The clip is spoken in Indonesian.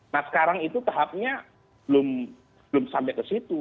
nah sekarang itu tahapnya belum sampai ke situ